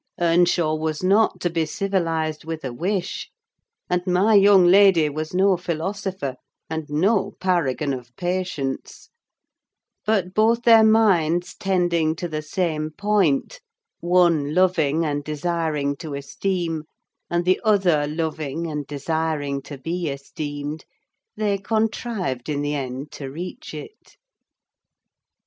Earnshaw was not to be civilized with a wish, and my young lady was no philosopher, and no paragon of patience; but both their minds tending to the same point—one loving and desiring to esteem, and the other loving and desiring to be esteemed—they contrived in the end to reach it.